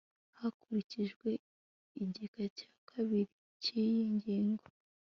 hakurikijwe igika cya kabiri cy iyi ngingo